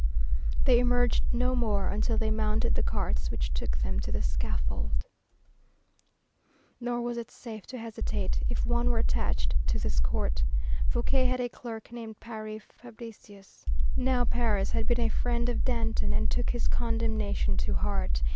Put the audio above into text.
They emerged no more until they mounted the carts which took them to the scaffold. Nor was it safe to hesitate if one were attached to this court. Fouquier had a clerk named Paris Fabricius. Now Paris had been a friend of Danton and took his condemnation to heart.